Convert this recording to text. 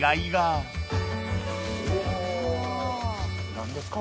何ですか？